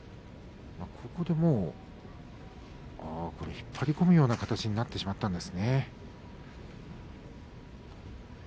引っ張り込むような形になってしまったんですね。